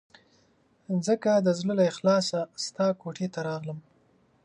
ځکه د زړه له اخلاصه ستا کوټې ته راغلم.